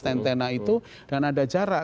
tentena itu dan ada jarak